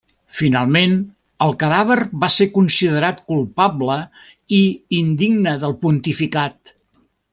Finalment, el cadàver va ser considerat culpable i indigne del pontificat.